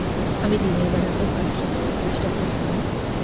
আমি দিনের বেলাতেও কাজটা করার চেষ্টা করব না।